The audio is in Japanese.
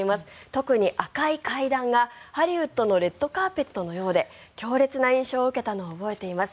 特に赤い階段が、ハリウッドのレッドカーペットのようで強烈な印象を受けたのを覚えています。